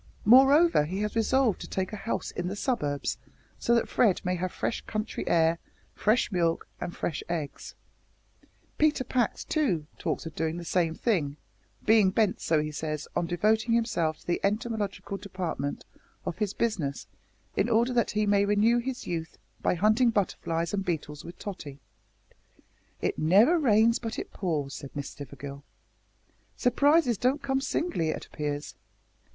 Moreover, he has resolved to take a house in the suburbs, so that Fred may have fresh country air, fresh milk, and fresh eggs. Peter Pax, too, talks of doing the same thing, being bent, so he says, on devoting himself to the entomological department of his business, in order that he may renew his youth by hunting butterflies and beetles with Tottie." "It never rains but it pours," said Miss Stivergill. "Surprises don't come singly, it appears.